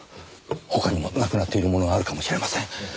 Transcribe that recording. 他にもなくなっているものがあるかもしれません。